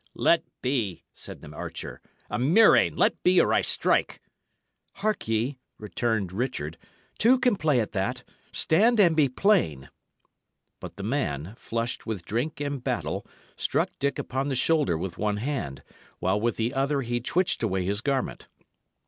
"Let be," said the archer. "A murrain! let be, or I strike." "Hark ye," returned Richard, "two can play at that. Stand and be plain." But the man, flushed with drink and battle, struck Dick upon the shoulder with one hand, while with the other he twitched away his garment.